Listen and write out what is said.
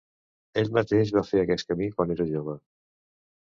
Ell mateix va fer aquest camí quan era jove.